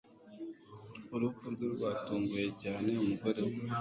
Urupfu rwe rwatunguye cyane umugore we